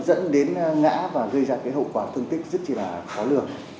dẫn đến ngã và gây ra cái hậu quả thương tích rất chỉ là khó lường